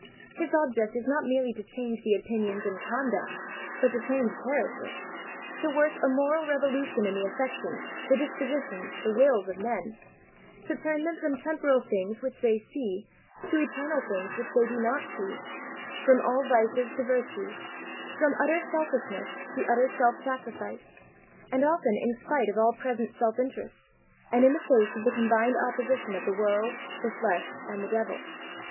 His object is not merely to change the opinions and conduct, but to change character; to work a moral revolution in the affections, the dis positions, the wills of men; to turn them from temporal things which they see, to eternal things, which they do not see, from all vices to virtues, from utter selfishness to utter self sacrifice, and often in spite of all present self interest, and in the face of the combined opposition of the world, the flesh and the devil.